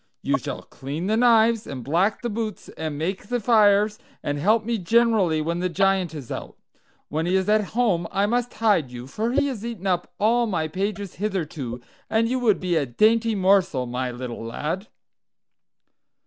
You shall clean the knives, and black the boots, and make the fires, and help me generally when the Giant is out. When he is at home I must hide you, for he has eaten up all my pages hitherto, and you would be a dainty morsel, my little lad."